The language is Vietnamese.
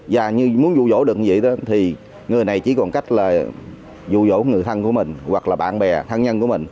và như muốn dụ dỗ đựng gì đó thì người này chỉ còn cách là dụ dỗ người thân của mình hoặc là bạn bè thân nhân của mình